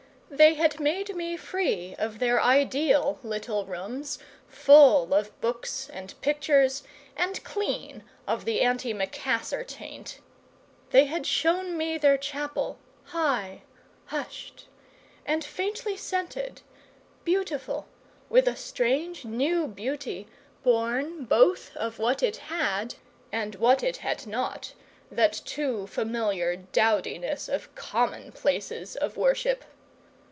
They had made me free of their ideal little rooms, full of books and pictures, and clean of the antimacassar taint; they had shown me their chapel, high, hushed; and faintly scented, beautiful with a strange new beauty born both of what it had and what it had not that too familiar dowdiness of common places of worship.